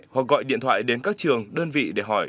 hoặc gọi điện thoại đến các trường đơn vị để hỏi